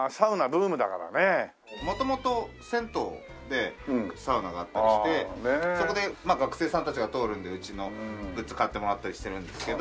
元々銭湯でサウナがあったりしてそこで学生さんたちが通るのでうちのグッズ買ってもらったりしてるんですけど。